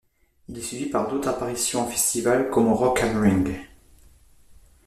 Il est suivi par d'autres apparitions en festival comme au Rock am Ring.